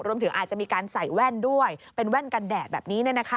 รวมถึงอาจจะมีการใส่แว่นด้วยเป็นแว่นกันแดดแบบนี้